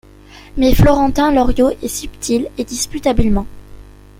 Mais Florentin Loriot est subtil et dispute habilement.